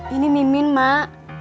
ini mimin mak